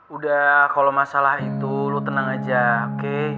udah kalo masalah itu lu tenang aja oke